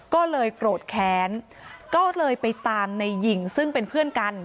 ก็เลยโกรธแค้นก็เลยไปตามในหญิงซึ่งเป็นเพื่อนกัน